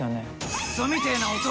くそみてえな男。